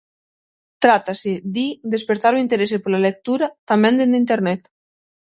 Trátase, di, de "espertar o interese pola lectura" tamén dende Internet.